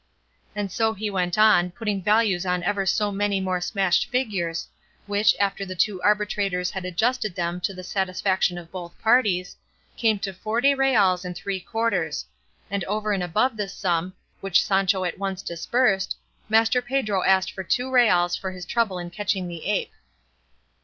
And so he went on, putting values on ever so many more smashed figures, which, after the two arbitrators had adjusted them to the satisfaction of both parties, came to forty reals and three quarters; and over and above this sum, which Sancho at once disbursed, Master Pedro asked for two reals for his trouble in catching the ape.